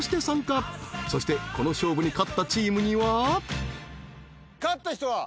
［そしてこの勝負に勝ったチームには］